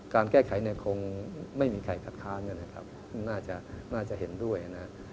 การแก้ไขคงไม่มีใครขาดค้าน่าจะเห็นด้วย